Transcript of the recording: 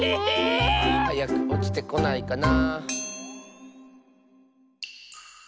はやくおちてこないかな。